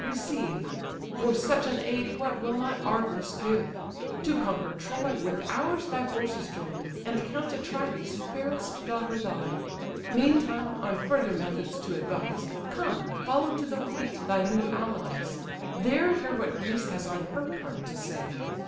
receive; For such an aid what will not Argos give? To conquer Troy, with ours thy forces join, And count Atrides' fairest daughter thine. Meantime, on further methods to advise, Come, follow to the fleet thy new allies; There hear what Greece has on her part to say."